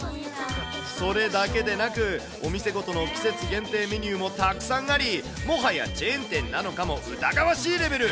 それだけでなく、お店ごとの季節限定メニューもたくさんあり、もはやチェーン店なのかも疑わしいレベル。